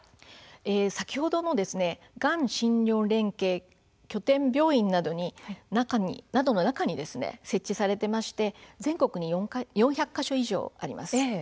先ほどのがん診療連携拠点病院などの中に設置されていまして全国に４００か所以上あります。